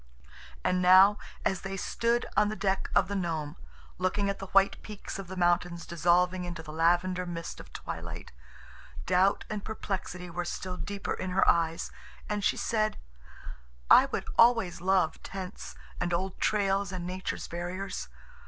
And now, as they stood on the deck of the Nome looking at the white peaks of the mountains dissolving into the lavender mist of twilight, doubt and perplexity were still deeper in her eyes, and she said: "I would always love tents and old trails and nature's barriers.